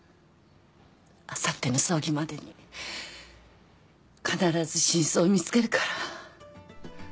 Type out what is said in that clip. あさっての葬儀までに必ず真相見つけるから。